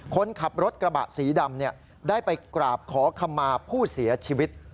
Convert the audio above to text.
คนขับรถกระบะสีดำได้ไปกราบขอขมาผู้เสียชีวิต